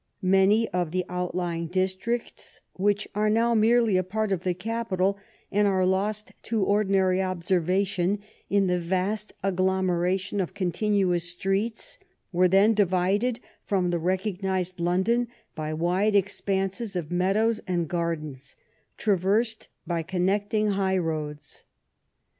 Many of the outlying districts which are now merely a part of the capital, and are lost to ordi nary observation in the vast agglomeration of con tinuous streets, were then divided from the recognized London by wide expanses of meadows and gardens, traversed by connecting high roads.